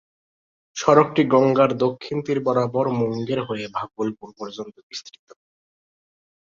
সড়কটি গঙ্গার দক্ষিণ তীর বরাবর মুঙ্গের হয়ে ভাগলপুর পর্যন্ত বিস্তৃত।